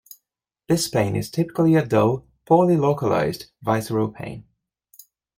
This pain is typically a dull, poorly localized, visceral pain.